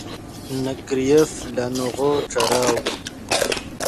نے کریف لانغو ݯیراؤ